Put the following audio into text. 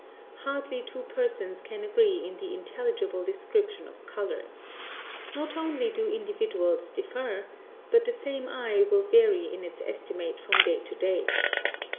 Hardly two persons can agree in the intelligible description of color. Not only do individuals differ, but the same eye will vary in its estimates from day to day.